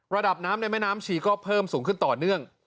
ระดับน้ำในแม่น้ำชีก็เพิ่มสูงขึ้นต่อเนื่อง